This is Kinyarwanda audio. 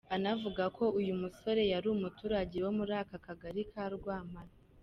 Anavuga ko uyu musore yari umuturage wo muri aka kagari ka Rwampara.